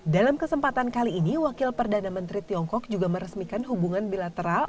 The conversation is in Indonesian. dalam kesempatan kali ini wakil perdana menteri tiongkok juga meresmikan hubungan bilateral